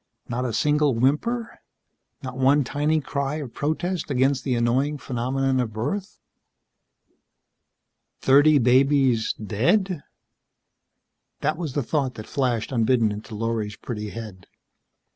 Not a single whimper. Not one tiny cry of protest against the annoying phenomenon of birth. Thirty babies dead? That was the thought that flashed, unbidden, into Lorry's pretty head.